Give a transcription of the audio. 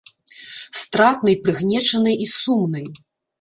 Стратнай, прыгнечанай і сумнай.